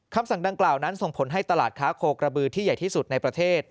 คำสั่งดังกล่าวนั้นส่งผลให้ตลาดค้าโคกระบือที่ใหญ่ที่สุดในประเทศ